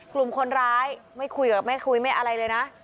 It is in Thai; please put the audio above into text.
กลุ่มคนร้ายไม่คุยกับไม่คุยไม่อะไรเลยนะ